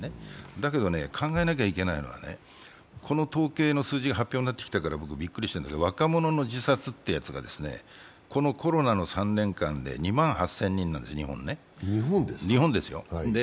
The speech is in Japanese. だけど考えなきゃいけないのは、この統計の数字が発表になってきたからびっくりしたんだけど、若者の自殺ってやつが、このコロナの３年間で２万８０００人なんです、日本ですよ。